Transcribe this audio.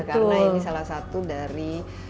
karena ini salah satu dari